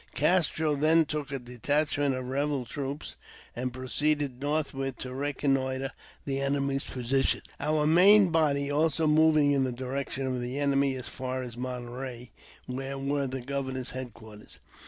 Castro then took a detachment of rebel troops, and pro ceeded northward to reconnoitre the enemy's positon, our main body also moving in the direction of the enemy as far a» Monterey, where were the governor's headquarters.